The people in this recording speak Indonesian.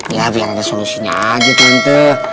ya biar ada solusinya aja tante